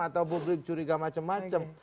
atau publik curiga macam macam